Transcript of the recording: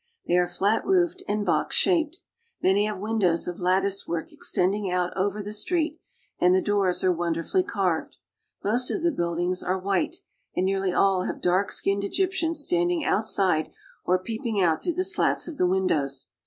They are flat roofed and box shaped. Many have windows of latticework extending out over the street, and the doors are wonderfully carved. Most of the buildings are white, and nearly all have dark skinned Egyptians standing outside or peeping out through the ALEXANDRIA AND CAIRO slats of the windows.